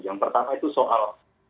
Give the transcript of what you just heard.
yang pertama itu soal